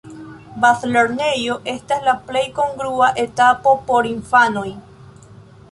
Bazlernejo estas la plej kongrua etapo por infanoj.